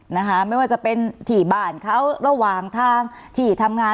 นะคะไม่ว่าจะเป็นที่บ้านเขาระหว่างทางที่ทำงาน